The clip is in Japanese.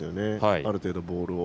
ある程度、ボールを。